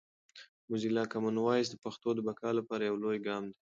موزیلا کامن وایس د پښتو د بقا لپاره یو لوی ګام دی.